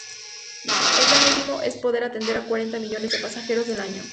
El plan último es poder atender a cuarenta millones de pasajeros al año.